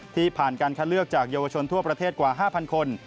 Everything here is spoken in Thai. ที่ผ่านการคัดเลือกจากเยาวชนทั่วประเทศกว่า๕๐๐คน